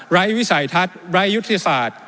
วิสัยทัศน์ไร้ยุทธศาสตร์